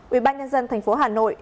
ubnd tp hà nội